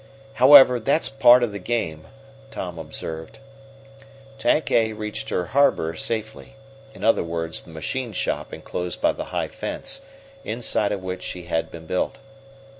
"However, that's part of the game," Tom observed. Tank A reached her "harbor" safely in other words, the machine shop enclosed by the high fence, inside of which she had been built.